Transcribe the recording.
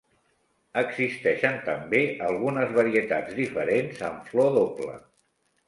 Existeixen també algunes varietats diferents amb flor doble.